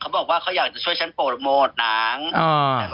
บอกว่าเขาอยากจะช่วยฉันโปรโมทหนัง